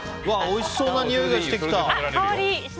おいしそうなにおいがしてきた！